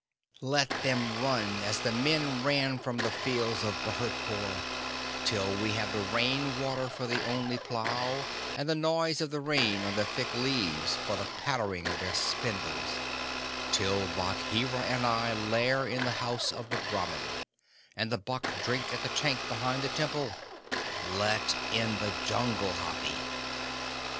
"Let them run as the men ran from the fields of Bhurtpore, till we have the rain water for the only plow, and the noise of the rain on the thick leaves for the pattering of their spindles till Bagheera and I lair in the house of the Brahmin, and the buck drink at the tank behind the temple! Let in the Jungle, Hathi!"